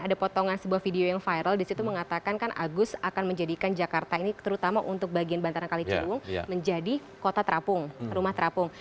ada potongan sebuah video yang viral disitu mengatakan kan agus akan menjadikan jakarta ini terutama untuk bagian bantaran kali ciliwung menjadi kota terapung rumah terapung